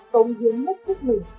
tống hiếm mất sức mình